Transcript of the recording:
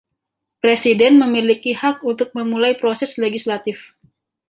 Presiden memiliki hak untuk memulai proses legislatif.